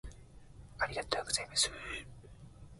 ありがとうございます